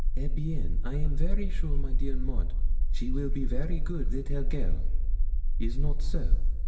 Eh bien! I am very sure my dear Maud she will be very good little girl is not so?